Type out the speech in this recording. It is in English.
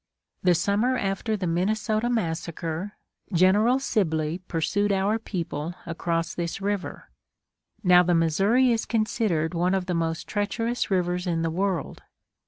The summer after the "Minnesota massacre," General Sibley pursued our people across this river. Now the Missouri is considered one of the most treacherous rivers in the world.